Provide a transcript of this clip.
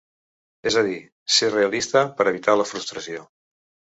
És a dir, ser realista per evitar la frustració.